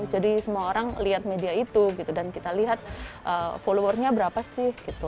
jadi semua orang lihat media itu gitu dan kita lihat followernya berapa sih gitu